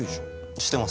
してます。